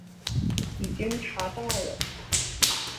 已经查到了